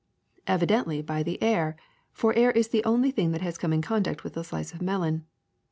Evidently by the air, for air is the only thing that has come in contact with the slice of melon.